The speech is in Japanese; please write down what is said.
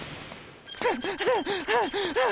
はあはあはあはあ。